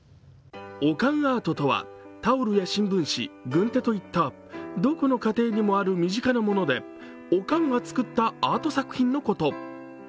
おかんアートとはタオルや新聞紙、軍手といったどこの家庭にもある身近なもので、おかんが作ったアート作品のこと。